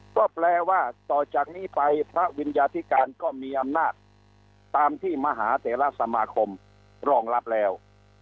ก็แปลว่าต่อจากนี้ไปพระวิญญาธิการก็มีอำนาจตามที่มหาเถระสมาคมรองรับแล้ว